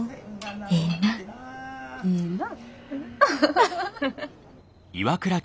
ええなぁ。ええなぁ。